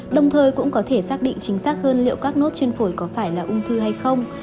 đồng thời cũng có thể xác định chính xác hơn liệu các nốt trên phổi có phải là ung thư hay không